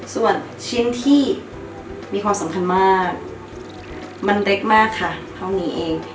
ส่วนชิ้นที่มีความสำคัญมากมันเล็กมากค่ะเท่านี้เอง